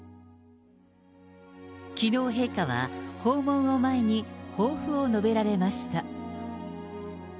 きのう、陛下は、訪問を前に、抱負を述べられました。